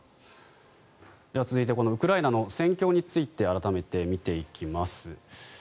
では、続いてウクライナの戦況について改めて見ていきます。